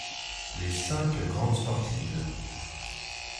Les cinq grandes sportives.